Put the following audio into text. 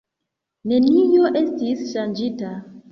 Nenio estis ŝanĝita.